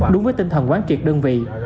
đúng với tinh thần quán triệt đơn vị